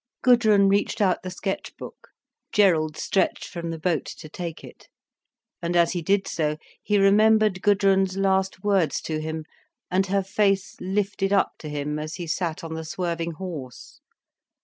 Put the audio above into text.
Gudrun reached out the sketch book, Gerald stretched from the boat to take it. And as he did so, he remembered Gudrun's last words to him, and her face lifted up to him as he sat on the swerving horse.